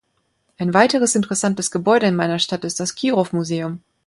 Ein weiteres interessantes Gebäude in meiner Stadt ist das Kirov-Museum.